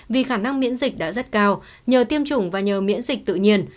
vì khả năng miễn dịch đã rất cao nhờ tiêm chủng và nhờ miễn dịch tự nhiên